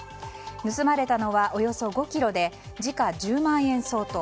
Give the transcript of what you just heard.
盗まれたのはおよそ５ｋｇで時価１０万円相当。